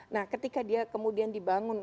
nah ketika dia kemudian dibangun